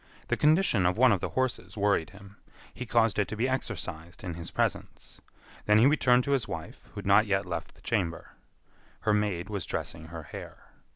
The condition of one of the horses worried him. He caused it to be exercised in his presence. Then he returned to his wife, who had not yet left the chamber. Her maid was dressing her hair.